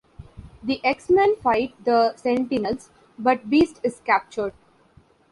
The X-Men fight the Sentinels, but Beast is captured.